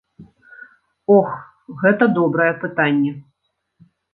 Ох, гэта добрае пытанне.